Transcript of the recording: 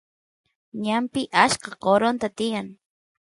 ñanpi achka qoronta tiyan